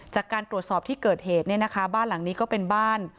จากการตรวจสอบที่เกิดเหตุเนี่ยนะคะบ้านหลังนี้ก็เป็นบ้าน